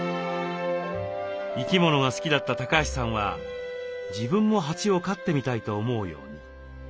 生き物が好きだった橋さんは自分も蜂を飼ってみたいと思うように。